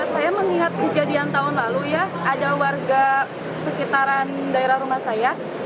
saya mengingat kejadian tahun lalu ya ada warga sekitaran daerah rumah saya